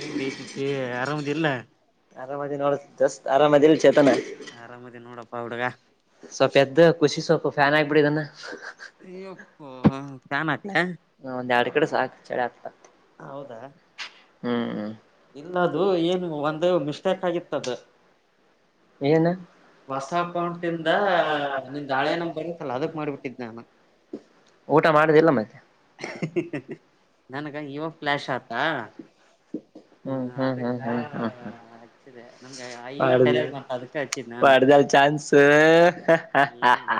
ಏನ್ ಲೇಟ್ಟ್ಟ ಆರಾಮದರ್ಲ್ಲ [unintelligible] ಆರಾಮದಿ ನೋಡ ಜಸ್ ಆರಾಮದಿಲ್ ತನ ಆರಾಮದಿ ನೋಡಪ್ಪಾ ಹುಡುಗ ಸ್ವಲ್ಪ ಎದ್ದ ಖುಷಿ ಸೊಪು ಫ್ಯಾನ್ ಆಗ್ಬಿಡಿ ಇದನ್ನ [unintelligible] ಫ್ಯಾನ್ ಹ ಒಂದ್ ಎರಡು ಕಡೆ ಸಾಕ್ ಚಳಿ ಆಗ್ತ ಹೌದಾ ಇಲ್ಲ ಅದು ಏನು ಒಂದು ಮಿಸ್ಟೇಕ್ ಆಗಿತ್ತದ ಏನು ಹೊಸ ಹಾಕ ಉಟಿಂದ ನಿ ನಿನ್ ಹಳೆ ಹಾಳೆ ನಂಬರ್ ಇತ್ತಲ್ಲ ಅದ ಅದಕ್ ಮಾಡ ಮಾಡ್ಬಿಟ್ಟಿದ್ದೆ ನಾನು ಊಟ ಮಾಡುದಿಲ್ಲ ಮತ್ತೆ. ನನ್ಗ ನನಗೆ ಇವ ಕ್ಲಾಶ್ ಫ್ಲಾಶ್ ಆಂತ. ಆತ ಹ್ಮ ಅದಕ್ಕೆ ಹಚ್ಚಿದೆ ನಮ್ಗೆ ಇವಾಗ ತಲೆಗೆ ಅದಕ್ಕ ಹಚ್ಚಿದೆ ನಾನು. ಅನ್ಸೋ. ಹ ಹಾ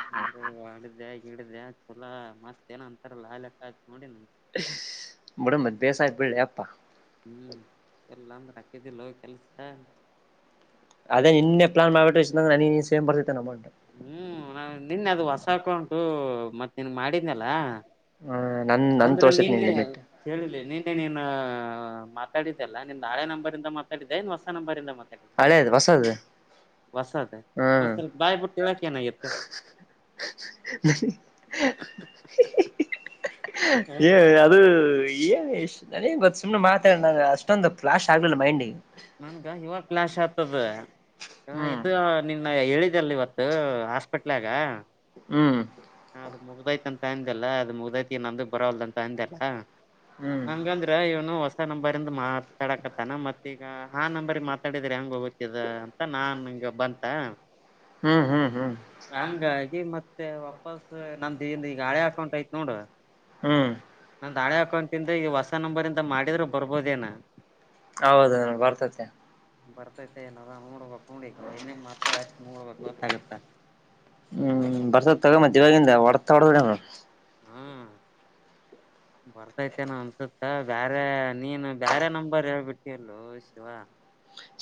ಚಲಾ ಮತ್ತೇನೋ ಅಂತರ ಲೆಕ್ಕ ಹಾಕಿ ನೋಡಿಲ್ವೆನು. ಬಡ ಮದ್ ಬೇಸಾಯ ಬಿಡ್ಲೇ ಅಪ್ಪಾ. ಹ್ಮ್ ಇಲ್ಲ ಅಂದ್ರೆ ಹಾಕಿದ್ದಿಲ್ಲೊ ಕೆಲ್ಸ. ಅದೇ ನಿನ್ನೆ ಪ್ಲಾನ್ ಮಾಡಬಿಟ್ಟು ಇಸ್ಟ್ ಬಂದ್ರೆ ಅನಿ ಇದು ಸೇಮ್ ಬರ್ತಾಯಿತೇನೋ ಅಮೌಂಟ್. ಹ್ಮ್ ನಿನ್ ಅದು ಹೊಸ ಹಾಕಂಟು ಮತ್ತ್ ನಿನ್ಗ್ ಮಾಡಿದ್ನಲ್ಲ. ಹ ನನ್ ನನ್ ಅಂದ್ರೆ ತೋರ್ಸತ್ ನಿನ್ ನಿನ್ನೆ ಲಿಮಿಟ್ ಕೇಳಿಲ್ಲಿ ನಿನ್ನೆ ನೀನು ಮಾತಾಡಿದ್ದೆಲ್ಲ ನಿಂದ್ ಹಳೆ ನಂಬರಿಂದ. ಮಾತಾಡಿದೆ ಏನ್ ಹೊಸ ನಂಬರಿಂದ ಮಾತಾಡಿದೆ. ಹಳೆದು ಹೊಸದು. ಹೊಸದು ಹ್ಮ್ ಒಂದ್ ಸ್ವಲ್ಪ ಬಾಯಬಿಟ್ಟು ಹೇಳಕೆ ಏನಾಗೈತೆ. ಏ ಅದು. ಯಸ್ ನನ್ ಗೇನ್ ಗೊತ್ತು ಸುಮ್ನೆ ಮಾತಾಡನ ಅಷ್ಟೊಂದು ಫ್ಲಾಶ್ ಆಗ್ಲಿಲ್ಲ ಮೈಂಡ್ಗೆ. ನನ್ಗ ಇವಾಗ. ಫ್ಲ್ಯಾಶ್ ಆಗ್ತದೆ ಹ್ಮ್ ಇದು ನಿನ್ನ ಹೇಳಿದೆಲ್ಲಿ ಇವತ್ತು ಹಾಸ್ಪಿಟ್ಲ್ಯಾಗ. ಹ್ಮ್ ಅದು ಮುಗ್ದೈತಂತ ಅಂದಲ್ಲ ಅದು ಮುಗ್ದೈತಿ ನಂದು ಬರಲ್ದಂತ ಅಂದಲ್ಲ. ಹ್ಮ್ ಹಂಗಂದ್ರ ಇವನು ಹೊಸ ನಂಬರಿಂದ ಮಾತಾಡಕತ್ತಾನ ಮತ್ತೆ. ಆ ನಂಬರ್ ಮಾತಾಡಿದ್ರೆ ಹೆಂಗ ಹೋಗತದ ಅಂತ ನಾನ್ಂಗಗೆ ಬಂತ. ಹ್ಮ್ ಹ್ಮ್ ಹ್ಮ್ ಹಂಗಾಗಿ ಮತ್ತೆ ವಾಪಸ್ ನಂದೇನು ಈಗ ಹಳೆ ಅಕೌಂಟ್ ಹಯ್ತ್ ನೋಡು. ಹ್ಮ್ ನಂದ್ ಹಳೇ ಅಕೌಂಟ್ ಇಂದ ಈ ಹೊಸ ನಂಬರಿ ಇಂದ ಮಾಡಿದ್ರ ಬರ್ಬೋದೇನೋ. ಹೌದೇನು ಬರತೈತೆ. ಬರ್ತೈತೆ ಏನರ ನೋಡ್ಬೇಕಕ್ ನೋಡಿಕ ಅವ ಇನ್ನೇ ಮತ್ತೆ ಹಚ್ಚ ನೋಡ್ಬೇಕು ಗೊತ್ತಾಗುತ್ತಾ. ಹ್ಮ್ ಬರ್ಸದ ತಗೊ ಮಧ್ಯವಾಗಿಂದ ಹೊಡತಾ ಹೊಡಬಡ ಹ್ಮ್ ಬರ್ತೈತೆನ ಅನ್ಸುತ್ತ ಬ್ಯರೆ ನೀನು ಬ್ಯಾರೆ ನಂಬರ್ ಹೇಳ್ಬಿಟ್ಟಿಯಲ್ಲೋ ಶಿವ.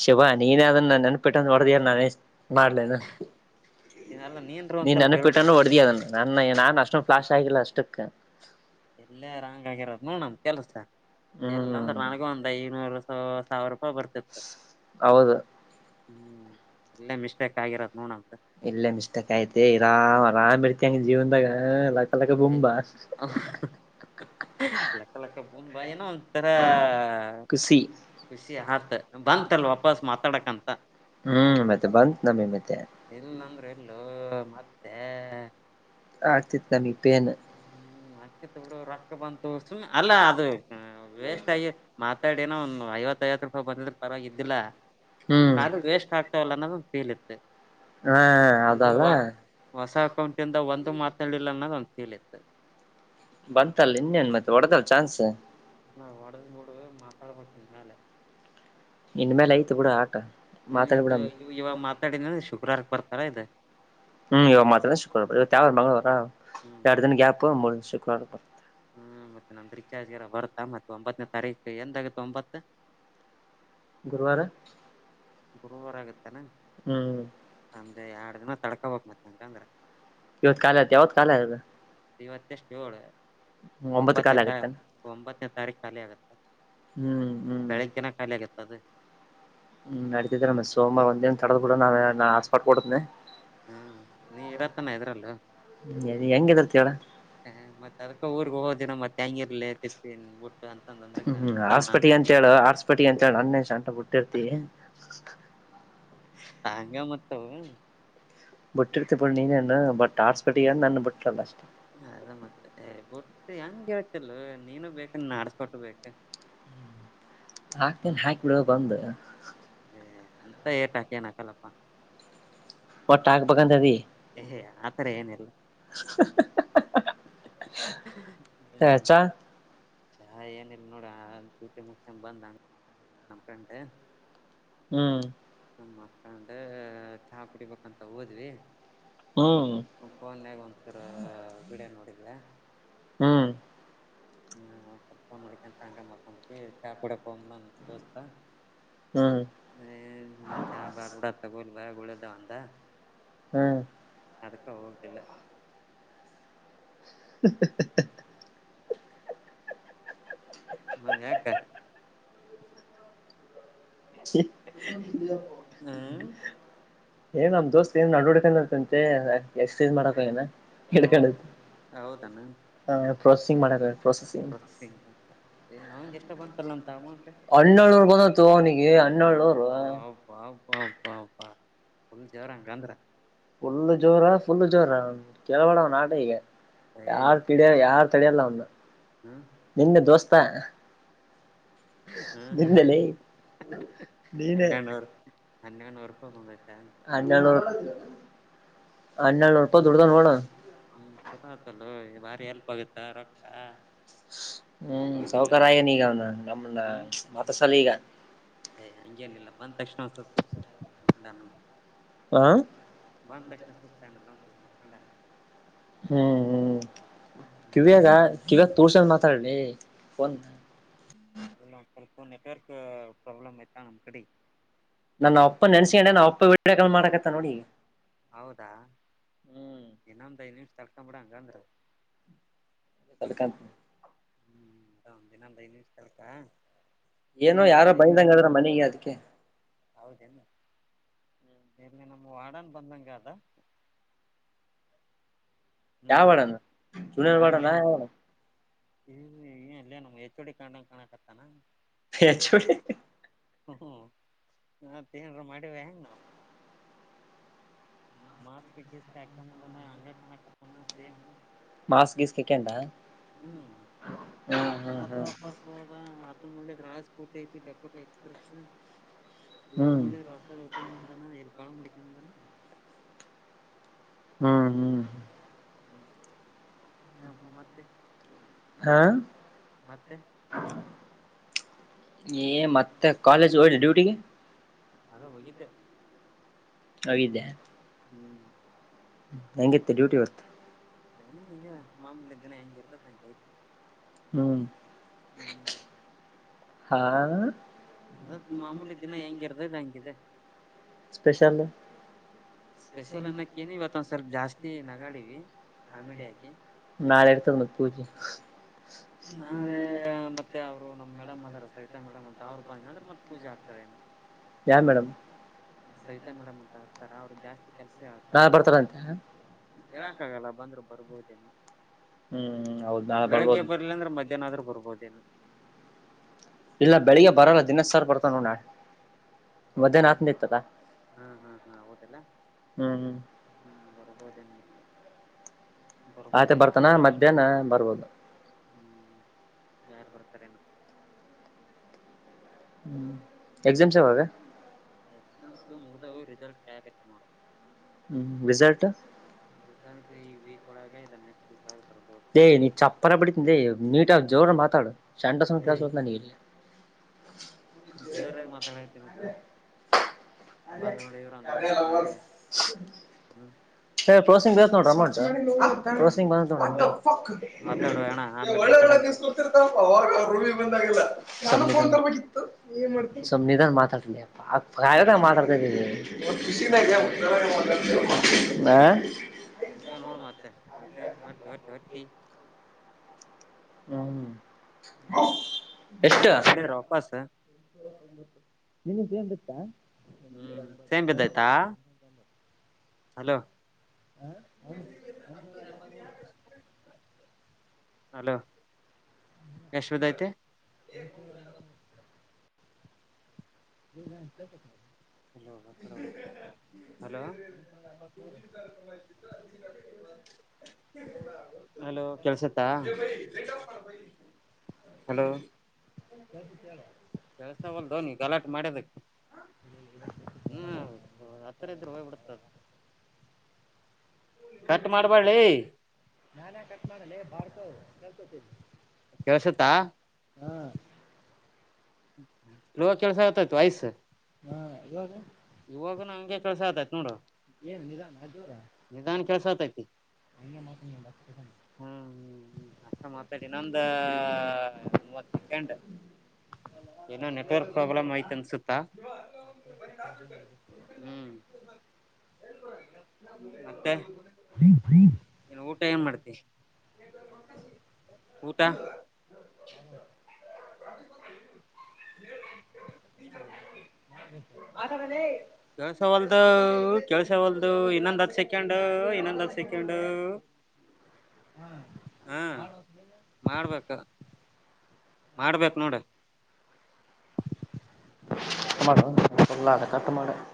ಶಿವ ನೀನ್ ಅದನ್ನ ನೆನಪಿಟ್ಟಂತ ನೋಡ್ದಿಯೋನು ನಾನೇ ಮಾಡ್ಲನು. ಇದೆಲ್ಲ ನೀನ್ರು ನೀ ಒಂದ್ ಸ್ವಲ್ಪ ನೆನ್ನಪಟ್ಟಾನು ಹೇಳ್ಬೇಕಿತ್ತ ಒಡದಿಯ ಅದನ್ ನನ್ನ ನನ್ ಅಷ್ಟು ಫ್ಲಾಷ್ ಆಗಿಲ್ಲ ಅಷ್ಟುಕ್ಕ. ಎಲ್ಲ ರಂಗ ಆಗಿರದು ನೋಡಮ ಕೆಲ್ಸ ಎಲ್ಲಂದ್ರ ಹ್ಮ್ ನನಗೂ ಒಂದ ಐನೂರು. ಸಾವಿರ ರೂಪಾಯಿ ಬರ್ತಿತ್ತು ಹೌದು. ಹ್ಮ್ ಎಲ್ಲೇ ಮಿಸ್ಟೇಕ್ ಆಗಿರತ್ ನೋಡನ. ಇಲ್ಲೇ ಮಿಸ್ಟೇಕ್ ಐತಿ ಇರಾಮ್ ಆರಾಮ್ ಇರ್ತಿ ಅಂಗ ಜೀವನ್ದಾಗ. ಅಲ್ಲಕೆ ಬುಮ್ ನಮ್ದು ಬಾಸ್. ಏನ್ ಭಯಾನೋ ಒಂತರ. ಖುಷಿ ಮಾತಾಡಕಂತ ಹ್ಮ್ ಮತ್ತೆ ಬಾ. ಅತ್ ನಮ ಮತ್ತ. ಇಲ್ಲಂದ್ರೆ ಎಲ್ಲೋ ಮತ್ತೆ. ಹಾಕ್ತಿತ್ ನಮಿಗೆ. ಹ್ಮ್ ಅಕ್ಕಿ ತಗಡು ರೊಕ್ಕ ಬಂತು ಸುಮ್ಮ್ ಅಲ್ಲ ಅದು ವೇಸ್ಟ್ ಆಗಿ ಮತ್. ಮಾತಾಡಿ ಏನೋ ಒಂದು ಐವತ್ತೈವತ್ತು ರೂಪಾಯಿ ಬಂದಿದ್ರೆ ಪರವಾಗಿಲ್ಲಾ ಇದ್ದಿಲ್ಲ. ಸುಮ್ ಹ್ಮ್ ಕಾಲ್ ವೇಸ್ಟ್ ಆಗ್ತವಲ್ಲ ಅನ್ನೋದು ಫೀಲ್ ಇತ್ತು. ಹಾ ಹೌದ್ ಅಲ್ಲ. ಹೊಸ ಅಕೌಂಟ್ ಇಂದ ಒಂದು ಮಾತಾಡಿಲ್ಲ ಅನ್ನೋದು ಒಂದು ಫೀಲ್ ಇತ್ತು. ಬಂತಲ್ಲ ಇನ್ನೇನ್ ಮತ್ತೆ ಒಡದಲ್ ಚಾನ್ಸ್. ನ ಒಡದ ಮೂಡು ಮಾತಾಡಬೇಕು ಇನ್ನ ಮ್ಯಾಲೇ. ಇನ್ ಮೇಲೆ ಐತು ಬಿಡು ಆಟ. ಹ್ಮ್ ಇದು ಮಾತಾಡ್ಬಿಡಮ ಇವಾಗ ಮಾತಾಡಿದನ ಶುಕ್ರವಾರಕ್ ಬರ್ತಾವ ಇದು. ಹ್ಮ್ ಇವಾಗ ಮಾತಾಡಿದ್ದು ಶುಕ್ರಾರ ಬರುತ್ತೆ ಹ್ಮ್ ಇವತ್ತು ಯಾವ್ ವಾರ ಮಂಗಳವಾರ ಹ್ಮ್ ಎರಡು ದಿನ ಗ್ಯಾಪು ಮೂರನೇ ದಿನ ಶುಕ್ರವಾರಬರುತ್ತೆ. ಹ್ಮ್ ಮತ್ತೆ ನಮ್ದ್ ರಿಚಾರ್ಜ್ಗೆರ ಬರ್ತಾ ಮತ್ತೆ ಒಂಬತ್ತನೇ ತಾರೀಕು ಎಂದಗತ್ತ ಒಂಬತ್ತು. [inaudible] ಗುರುವಾರ ಗುರುವಾರ ಆಗತ್ತನಾ ಹ್ಮ್ ಒಂದೆ ಎರಡ್ ದಿನ ತಡ್ಕೊಬಕ್ ಮತ್ತಕ ಅಂದ್ರ ಇವತ್ತು ಕಾಲ ಯಾವತ್ತು ಕಾಲಯದ ಇವತ್ತೆಷ್ಟು ಏಳು ಒಂಬತ್ತು ಒಂಬತ್ತನೇ ಕಾಲ ತ ಆಗತ್ತಾನ ಒಂಬತ್ತನೇ ತಾರೀಖ್ ಖಾಲಿ ಆಗುತ್ತೆ ಹ್ಮ್ ಹ್ಮ್ ಬೆಳಿಗ್ ಜನ ಖಾಲಿ ಆಗತ್ತ ಅದ ಹ್ಮ್ ನಡತಿದ ನ ಸೋಮವಾರ ಒಂದಿನ ತಡದ ಕೂಡ ನಾ ಆಾಸ್ಪಾಟ್ ಕೊಡತನನೆ ಹ್ಮ್ ನೀ ಇರತನ ಇದ್ರಲ್ಲ ಹೆಂಗಗೆರ್ತವಳ ಹ ಮತ್ ಅದಕ ಊರ್ಗ್ ಹೋದಿನ ಮತ್ತೆ ಹೆಂಗಿರ್ಲ ತಿಪ್ಪಿಟ್ಟ ಹ್ಮ್ ಆರ್ಸ್ಪಟಿ ಅಂತ ಹೇಳ ಆರ್ಸ್ಪಟಿ ಅಂತ ಹೇಳಿ ಅಣ್ಣೆ ಶಂಟ ಬಿುಟ್ಟಿರ್ತಿ ಹಂಗ ಮತ್ತ ಬಿಟ್ಟಿರ್ತ ಬಿಡ ನೀನೇನ್ ಬಟ್ ಆಡ್ಸ್ಬಿಟ್ಟಿಗೆ ನಾನನ್ ಬಿಟ್ಟಲ್ಲ ಅಷ್ಟ ಅದ ಮತ್ತೆ ಬಿಟ್ಟ ಹೆಂಗಗೆ ಹೇಳ್ತಿಲ್ ನೀನು ಬೇಕು ನೀನ್ ಆಡ್ಸ್ಬಟ್ಟು ಬೇಕು [inaudible] ಹಾಕ್ತೇನೆ ಹಾಕ್ ಬಿಡ ಬಂದ ಹ ಅಂತ ಏಟಾಕನ ಕಲ್ಲಪ್ಪ ಒಟ್ಟ ಹಾಕ್ಬೇಕಂತ ಅದಿ ಹೇ ಆತರ ಏನಿಲ್ಲ ಹ್ಮ ಚಾ ಚಾ ಏನಲ್ ನೋಡ ಮು ಬಂದ್ಂಗ ನ ಹ್ಮ್ ಮತ್ಕಂಡ್ರೆ ಚಾ ಕುಡಿಬೇಕಂತ ಹೋದ್ವಿ ಹ್ಮ್ ಫೋನ್ಯಾಗ ಒಂದ್ಸರ ವಿಡಿಯೋ ನೋಡಿದೆ ಹ್ಮ್ ಹ್ಮ ಸ್ವಲ್ಪ ನೋಡಿಕಂತ ಹಂಗ ಮತ್ಂಬ ಚಾ ಕುಡಕ್ ದೋಸ್ತ ಹ್ಮ್ ಹ ಚ ಬಾರಬಡ ತಗೊಲ್ ಬ ಗಳದ ಅಂತ ಹ್ಮ್ ಅದಕ್ಕ ಹೋಗುದಿಲ್ಲ [inaudible] ಹ ಯಾಕ ಹ್ಮ್ [inaudible] ಏನ್ ನಮ್ ದೋಸ್ತ್ ಏ ನಡಡ್ಡಕ್ಂತೆ ಎಕ್ರ್ಸೈಜ್ ಮಾಡಕ ಏನ ಹೌದ ಹೌದಣ ಪ್ರೋಸೆಸಂಗ್ ಮಾಡ ಪ್ರ [unintelligible] ಅವಂಗೆ ಎಷ್ಟ ಬಂತಲ್ಲ ಅಮೌಂಟ್ ಹಣನ್ನ್ಣಳ್ೂರ್ ಬಂದ ತನಿ ಹಣನ್ನಳ್ೂರ್ [unintelligible] ಹಪಾಪ್ಪಾ ುಳ್ಳ [unintelligible] ಜವರ ಗಾಂದ್ರ ಫುಲ್ ಜೋರ ಫುಲ್ ಜೋರ ಕೆೇಳಬೇಡ ಅವ್ನ ಆಟ ಈಗ ಏ ಯಾರ್ ಕಿಡಿಯ ಯಾರ್ ತಡಿಯಲ್ಲ ಒಂದು ಹ್ಮ್ ನಿನ್ನೆ ದೋಸ್ತ ಹ್ಮ್ ನಿನ್ನಲ್ಲ ನೀನ ಹನ್ನೆ ಹಣೂ ರೂಪಾಯ ಬಂದತಾ ಆರಾಮದ ಅ್ಣ ನ ನಡಪದುೊಡ್ಡಗ ಹಣ [unintelligible] ಚುಲ ಆತಲ್ಲ [unintelligible] ಬಾರಿ ಎಲ್ಪ್ ಆಗುತ್ತ ರೊಕ್ಕ ಹ್ಮ್ ಹೌದಿಲ್ಲ ಸೌಕಾರ ಆನ ಈಗ ಅವ ನಮ್ಮನ್ನ ಮಾತಾಡ್ಸಲ್ಲ ಈಗ ಯ್ ಹಂಗೇನಿಲ್ಲ ಬಂದ್ ತಕ್ಷಣಾನ ಬಂದು ಹ ಪ್ರಶ್ನಷ್ಟತಲ್ಲ ಸ್ [unintelligible] ಹ್ಮ್ ಹ್ಮ್ ಕಿವಿಯಾಗ ಹೆಂಗೈತಿ ಕಿವಿಯಾಗ ತೋರ್ಸನ್ ಮಾತಾಡ್ಲಿ ಫೋನ್ ಇಲ್ಲ ಒಂದ ಸ್ವಲ್ಪ ನೆಟ್ವರ್ಕ್ ಪ್ರಾಬ್ಲ್ ಐತಾ ನಮ್ಮ ಕಡೆಗ ನನ್ನ ನಮ್ಮ ಅಪ್ಪ ನೆನ್ಸಕಂಡೆ ನಮ್ಮ ಅಪ್ಪ ವೀಡಿಯೊ ಕಾಲ ಮಾಡಾಕತ್ತಾನ ನೋಡ ಈಗ ಹೌದಾ ಹ್ಮ್ ಇನ್ನೊಂದ ಐದ ನಿಮಿಷ ತಡಕೊಂಡ ಬಿಡ ಹಂಗಂದ್ರ ತಡ್ಕೊಂತಿನಿ ಹ್ಮ್ ಇನ್ನೊಂದ ಐದ ನಿಮಿಷ ತಡಕ ಏನೋ ಯಾರೋ ಬೈದಂಗ [unintelligible] ಅದಾರ ಮನೆಗೆ ಅದಕ್ಕೆ ಹೌದೇನು ಇಲ್ಲಿ ನಮ್ ವಾಡನ್ ಬಂದಂಗ ಆದ ಯಾವ ವಾರ್ಡನ ಸುನೀಲ [unintelligible] ವಾರ್ಡನ ಯಾವ. ಏನ್ ಲೇ ನಮ್ಮ ಹೆಚೊಡಿ ಕಂಡಾಗ ಕಾಣಾ ಕತ್ತಾನಾ ಹೆಚ್ಚೋಡಿ ಹ್ಮ ಮತ್ತ ಏನರಾ ಮಾಡಿವ ಏನು ಮಾಸ್ಕ ಗಿಸ್ಕ ಹಾಕೊಂದ ಬಂದಾನ ಹಂಗ ಕನಾತನ ಸೇಮೂ ಮಾಸ್ಕ ಗಿಸ್ಕ ಹಾಕೊಂಡ ಹ್ಮ್ ಹ್ಮ್ ಮತ್ತೆ ವಾಪಸ್ ಹೋದ ನೋಡಿದರ ರಾಜ [unintelligible] ಸ್ಕೂಟಿ ಐತಿ ಡಕೋಟ ಎಕ್ಸ್ಪ್ರೆಸ್ ಇವತ್ತ ಹ್ಮ್ ಹ್ಮ್ ನೋಡಿದ್ರ ಹೊಸ ಎತಕೊಂದ ಬಂದಾನ ಎಲ್ಲಿ ಕಳವ ಮಾಡ್ಕೊಂಡ್ ಬಂದಾನ ಹ್ಮ್ ಹ್ಮ್ [unintelligible] ಏನಪ್ಪ ಮತ್ತೆ ಹಾಂ ಮತ್ತೆ ಏ ಮತ್ತೆ ಕಾಲೇಜ್ ಹೋದೆ ಡ್ಯೂಟಿಗೆ ಅದ ಹೋಗಿದ್ದೆ ಹೋಗಿದ್ಯಾ ಹ್ಮ್ ಹೆಂಗಿತ್ತ ಡ್ಯೂಟಿ ಇವತ್ತ ಂಗೆ [unintelligible] ಮಾಮೂಲಿ ದಿನ ಹೆಂಗ ಇರತೇತಿ ಹಂಗ ಐತಿ ಹ್ಮ್ ಹ್ಮ್ ಹಾಆ [unintelligible] ಅದು ಮಾಮೂಲಿ ದಿನ ಹೆಂಗಿರ್ದದ ಹಂಗಿದೆ ಸ್ಪೆಷಲ್ಲು [inaudible] ಸ್ಪೆಷಲ್ ಅನ್ನಕ್ಕೇನು ಇವತ್ತ ಒಂದ್ ಸ್ವಲ್ಪ ಜಾಸ್ತಿ ನಗಾಡಿವಿ ಕಾಮಿಡಿ ಆಗಿ ನಾಳೆ ಇರ್ತದ ಮತ್ತ ಪೂಜಿ ನಾಳೆ ಮತ್ತೆ ಅವರು ನಮ್ಮ ಮೇಡಮ್ ಅದಾರ ಸವಿತಾ ಮೇಡಮ್ ಅವ ಅವ್ರ ಬ ಅಂದ್ರೆ ಮತ್ತ ಪೂಜೆ ಆಗ್ತಾವ ಏನ ಯಾ ಮೇಡಮ್ ಸವಿತಾ ಮೇಡಮ್ ಅಂತ ಹರ್ತಾರೆ ಅವ್ರಗ್ ಜಾಸ್ತಿ ಕೆಲ್ಸ [unintelligible] ಹೇಳ್ತಾರ ನಾಳೆ ಬರ್ತಾರಂತೆ ಹೇಳಕ್ಕ ಆಗಲ್ಲ ಬಂದ್ರು ಬರ್ಬೋದೇನು ಹ್ಮ್ ಹೌದ್ ನಾಳೆ ಬರ್ಬೋದು ಬೆಳಿಗ್ಗೆ ಬರಲಿಲ್ಲ ಅಂದ್ರೆ ಮಧ್ಯಾಹ್ನ ಆದ್ರರು ಬರ್ಬೋದೇನೋ ಇಲ್ಲ ಬೆಳಿಗ್ಗೆ ಬರಲ್ಲ ದಿನೇಶ್ ಸರ್ ಬರ್ತಾನ ನೋ ನಾಳೆ [unintelligible] ಹೌದಾ ಮಧ್ಯಾನ ಆತನದ ಇತ್ತ ಹಾ ಹಾ ಹಾ ಹೌದಲ್ಲಾ [unintelligible] ಹು ಹ್ಮ್ ಬರಬೋದ ಹೆಂಗ ಆಯ್ತೆ ಬರ್ತಾನ ಮಧ್ಯಾಹ್ನ ಬರ್ಬೋದು ಯಾರ ಬರತಾರೇನೋ [inaudible] ಹ್ಮ್ ಎಕ್ಸಾಮ್ಸ್ ಯಾವಾಗ ಎಕ್ಸಾಮ್ಸ ಮುಗದವ ರಿಸಲ್ಟ್ ಕಾಯಕತೆನಿ ನೋಡ [unintelligible] ಹ್ಮ ರಿಸಲ್ಟ್ ರಿಸಲ್ಟ್ ಈ ವೀಕ್ ಒಳಗ ಇಲ್ಲಾ ನೆಕ್ಸ್ಟ್ ವೀಕ್ ಒಳಗ [unintelligible] ಲೇಯ್ ನೀ ಚಪ್ಪಲಿ ಬಡಿತೇನ ಲೇ ನೀಟಾಗಿ ಜೋರಾಗಿ ಮಾತಾಡ [unintelligible] ಏಯ್ ಜೋರಾಗಿ ಮಾತಾಡಕತ್ತೀನಲ್ಲ ಬಂದ್ ನೋಡಿ ಇವ್ರು ಅಂದ್ರ ಕಾರ್ಯ ಇಬ್ರು ಲವರ್ಸ್ ಹ್ಮ್ [unintelligible] ಹೇ ಪ್ರೋಸಂಗ ಬಿದ್ದೈತಿ ನೋಡ್ರ ಅಮೌಂಟ ಪ್ರೋಸಿಂಗ್ ಒಳ್ಳೆ ಹಲೋ ಮಾತಾಡುವ ಅಣ್ಣ ಆಮೇಲೆ ಒಳ್ಳೆ ಮಾತಾಡಂತೆ ಕಳಿಸಿ ಕೊಡ್ತಿರ್ತಾನ ಬ್ರೋ [unintelligible] ರೂಮಿಗೆ ಬಂದಾಗಲ್ಲ ನ್ ತರ್ಬೇಕಿತ್ತು [unintelligible] ಸುಮ್ಮ್ ನಿಧಾನ ಮಾತಾಡ್ತಿ [unintelligible] ಮಾತಾಡ್ತಾ ಇದಿದ್ದೀವಿ ಹಾ [unintelligible] ಆ ಹಂಗ ನೋಡ ಮತ್ತೆ ಮತ್ತೆ ಮತ್ತ ಹೊಟ್ಟ ಹೊತ್ತಿ [unintelligible] ಹ್ಮ್ ಎಷ್ಟು ಹ್ಮ ಹ ಮಾಡಿದ್ರ ವಾಪಾಸ ನಿನಗ್ ಏನ್ ಬಿತ್ತಾ ಹ್ಮ ಸೆಮ್ ಬಿದ್ದಾಯತಾ ಹಲೋ ಎಂಟ್ನೂರ ಎಂಬತ್ಮೂರು [unintelligible] ಹಲೋ ಎಷ್ಟ ಬಿದ್ದೈತಿ [unintelligible] [inaudible] [unintelligible] ಹಲೋ ಹಲೋ [unintelligible] [unintelligible] ಅಲೋ ಕೆಲ್ಸತ್ತಾ ಹಲೋ ಕೆಳ್ಸವಲ್ ನೀ ಕಲಾಟ ಮಾಡ್ಯದಕ್ಕೆ [unintelligible] ಹ್ಮ್ ಆತ್ರರ ಇದ್ರು ಹೋಗ್ಬಿಡ್ತದ ಕಟ್ ಮಾಡಬೇಡಳ್ ನಾನೇ ಕಟ್ ಮಾಡಲ್ಲ [unintelligible] ಕಳ್ತೊತಿ ಕೆಳ್ಸುತ್ತ ಹಾ ಇವ ಕೆಲ್ಸ ಆತೈತ್ ವಯಸ್ ಹಾ ಇವಾಗ [unintelligible] ಇವಾಗ ನ ಹಂಗೆ ಕೆಲ್ಸ ಆತತ್ ನೋಡ ಏನು [unintelligible] ನಿಧಾನ ಜೋರ ನಿಧಾನ ಕೆಲ್ಸ ಆತೈತಿ [unintelligible] ಹ್ಮ್ ಹ್ಮ್ ಹ್ಮ ಅಷ್ಟ ಮಾತಲ್ಲಿ ಇನ್ನೊಂದು ಮೂವತ್ ಸೆಕೆಂಡ್ ಏನೋ ನೆಟ್ವರ್ಕ್ ಪ್ರಾಬ್ಲಮ್ ಐ್ತ ಅನ್ಸುತ್ತಾ ಹ್ಮ್ [unintelligible] ಮತ್ತೆ ಇನ್ನು ಊಟ ಏನ್ ಮಾಡ್ತ [unintelligible] ಊಟ [unintelligible] [inaudible] [unintelligible] ಮಾತಾಡಲೇ ಕೆಳ್ಸವಲ್ದು ಕೆಳ್ಸವಲ್ದು ಇನ್ನೊಂದ ಅತ್ಸ ಸೆಕೆಂಡ ಇನ್ನಂದ ಹತ್ತು ಸೆಕಂಡು ಹಾ ಮಾಡ್ಬೇಕ ಮಾಡ್ಬೇಕು ನೋಡು ಕತ್ತ ಮಾಡಲ ಅ ಕತ್ತ ಮಾಡಡ [unintelligible]